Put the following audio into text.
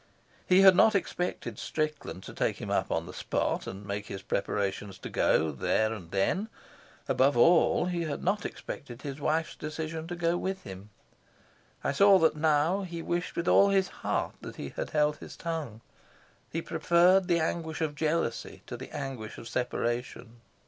He had not expected Strickland to take him up on the spot and make his preparations to go there and then; above all, he had not expected his wife's decision to go with him. I saw that now he wished with all his heart that he had held his tongue. He preferred the anguish of jealousy to the anguish of separation.